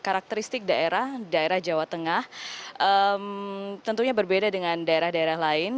karakteristik daerah daerah jawa tengah tentunya berbeda dengan daerah daerah lain